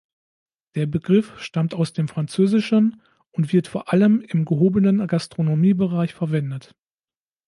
Der Begriff stammt aus dem Französischen und wird vor allem im gehobenen Gastronomiebereich verwendet.